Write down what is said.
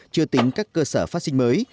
chưa tính các cơ sở phát sinh mới